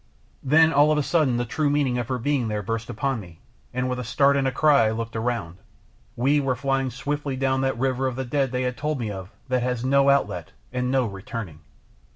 Then all of a sudden the true meaning of her being there burst upon me, and with a start and a cry I looked around. WE WERE FLYING SWIFTLY DOWN THAT RIVER OF THE DEAD THEY HAD TOLD ME OF THAT HAS NO OUTLET AND NO RETURNING!